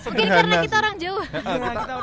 oke karena kita orang jauh